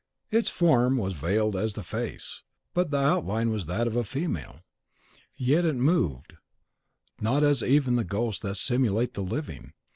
Its form was veiled as the face, but the outline was that of a female; yet it moved not as move even the ghosts that simulate the living.